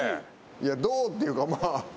どうっていうかまあ。